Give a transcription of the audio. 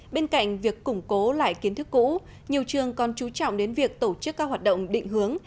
bên cạnh việc củng cố lại kiến thức cũ nhiều trường còn chú trọng đến việc tổ chức các hoạt động định hướng